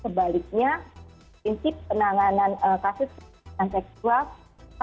sebaliknya prinsip penanganan kasus kekerasan seksual